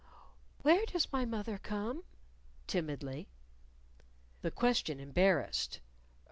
"Where does my moth er come?" timidly. The question embarrassed.